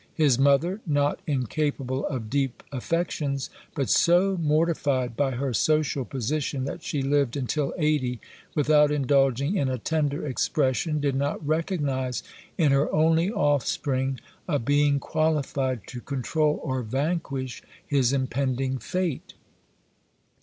His mother, not incapable of deep affections, but so mortified by her social position that she lived until eighty without indulging in a tender expression, did not recognise in her only offspring a being qualified to control or vanquish his impending fate.